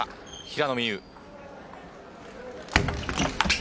平野美宇。